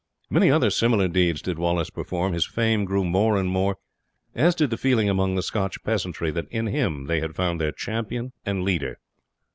Many other similar deeds did Wallace perform; his fame grew more and more, as did the feeling among the Scotch peasantry that in him they had found their champion and leader.